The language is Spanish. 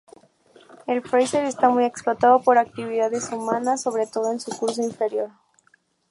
El Fraser está muy explotado por actividades humanas, sobre todo en su curso inferior.